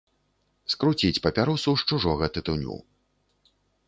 Скруціць папяросу з чужога тытуню.